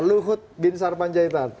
luhut bin sarpanjaitan